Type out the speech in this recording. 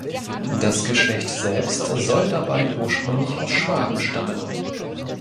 Das Geschlecht selbst soll dabei ursprünglich aus Schwaben stammen.